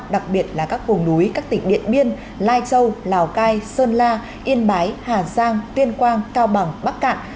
đặc biệt là các vùng núi các tỉnh điện biên lai châu lào cai sơn la yên bái hà giang tuyên quang cao bằng bắc cạn